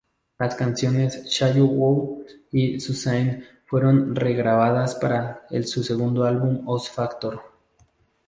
Las canciones "Shallow" y "Suzanne" fueron re-grabadas para su segundo álbum, Oz Factor.